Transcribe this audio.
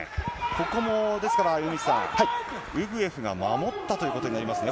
ここも、ですから米満さん、ウグエフが守ったということになりますね。